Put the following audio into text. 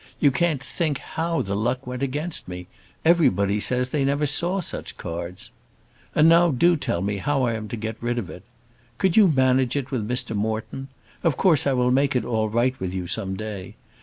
You can't think how the luck went against me. Everybody says that they never saw such cards. And now do tell me how I am to get out of it. Could you manage it with Mr. Moreton? Of course I will make it all right with you some day.